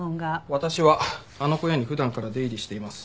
私はあの小屋に普段から出入りしています。